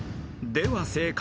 ［では正解］